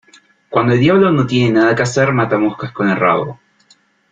Cuando el diablo no tiene nada que hacer mata moscas con el rabo.